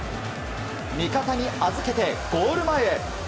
味方に預けてゴール前へ。